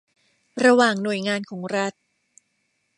ระหว่างหน่วยงานของรัฐ